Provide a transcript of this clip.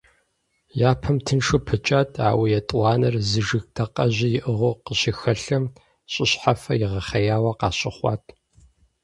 Япэм тыншу пыкӀат, ауэ етӀуанэр зы жыг дакъэжьи иӀыгъыу къащыхэлъэм, щӀы щхьэфэр игъэхъеяуэ къащыхъуат.